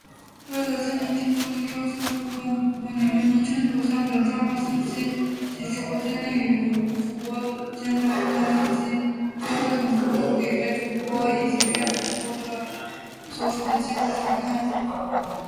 为了向您提供优质的互动服务，您的昵称、头像等账号信息及直播间内与主播间的互动信息（如评论、弹幕、打赏、礼物等）将会同步给该主播以及主播所属机构查看。